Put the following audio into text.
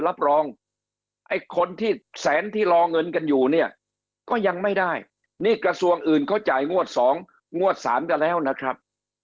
รับรองไอ้คนที่แสนที่รอเงินกันอยู่เนี่ยก็ยังไม่ได้นี่กระทรวงอื่นเขาจ่ายงวด๒งวด๓กันแล้วนะครับ